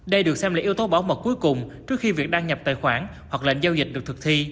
đây được xem là yếu tố bảo mật cuối cùng trước khi việc đăng nhập tài khoản hoặc lệnh giao dịch được thực thi